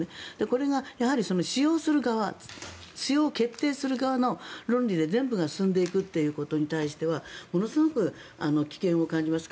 これがやはり使用する側使用を決定する側の論理で全部が進んでいくということに対してはものすごく危険を感じます。